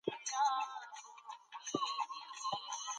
ښوونکي درس ورکوې.